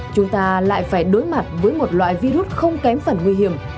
chúng ta lại phải đối mặt với một loại virus không kém phần nguy hiểm